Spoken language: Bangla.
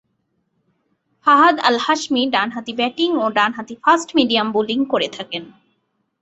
ফাহাদ আল হাশমি ডানহাতি ব্যাটিং ও ডানহাতি ফাস্ট মিডিয়াম বোলিং করে থাকেন।